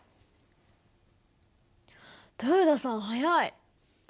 豊田さん速い。